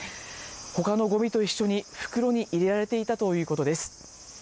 他のごみと一緒に袋に入れられていたということです。